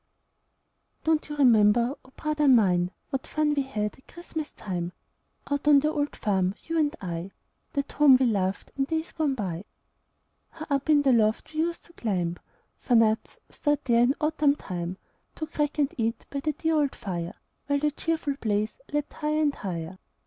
Don't you remember, oh, brother mine! What fun we had at Christmas time, Out on the old farm, you and I That home we loved in days gone by? How up in the loft we used to climb For nuts, stored there in autumn time, To crack and eat by the dear old fire, While the cheerful blaze leaped high'r and high'r?